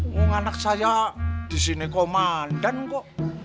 ngung anak saya disini komandan kok